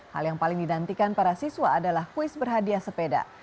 hal yang paling didantikan para siswa adalah kuis berhadiah sepeda